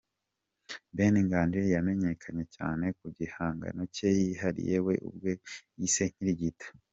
Ben Nganji yamenyekanye cyane ku gihangano cye yihariye we ubwe yise “Inkirigito”.